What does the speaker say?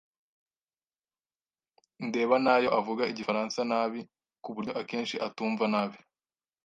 ndeba nayo avuga igifaransa nabi kuburyo akenshi atumva nabi.